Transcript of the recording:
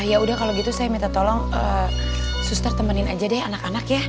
ya udah kalau gitu saya minta tolong suster temenin aja deh anak anak ya